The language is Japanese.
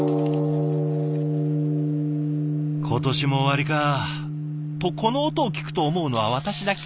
今年も終わりかとこの音を聞くと思うのは私だけ？